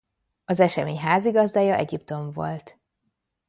Az esemény házigazdája Egyiptom volt.